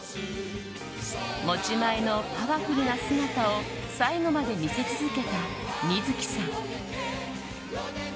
持ち前のパワフルな姿を最後まで見せ続けた水木さん。